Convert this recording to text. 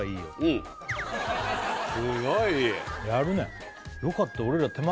すごいいいやるね！